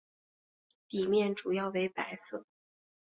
底面主要为白色。